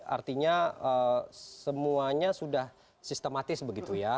artinya semuanya sudah sistematis begitu ya